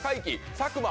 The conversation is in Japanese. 佐久間！